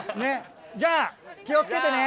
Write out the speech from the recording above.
じゃあ気を付けてね。